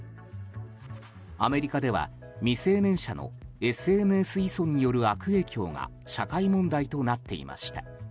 アメリカでは未成年者のＳＮＳ依存による悪影響が社会問題となっていました。